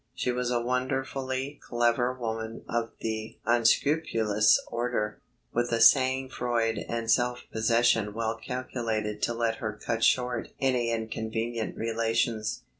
She was a wonderfully clever woman of the unscrupulous order, with a sang froid and self possession well calculated to let her cut short any inconvenient revelations.